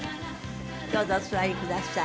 どうぞお座りください。